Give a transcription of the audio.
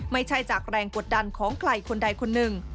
ไม่ใช่จากแรงกดดันของใครคนใดคนหนึ่ง